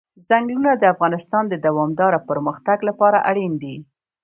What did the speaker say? ځنګلونه د افغانستان د دوامداره پرمختګ لپاره اړین دي.